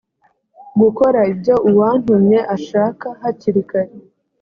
gukora ibyo uwantumye ashaka hakiri kare